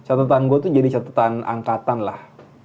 catatan gue tuh jadi catatan angkatan lah